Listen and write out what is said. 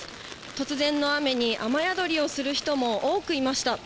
突然の雨に、雨宿りをする人も多くいました。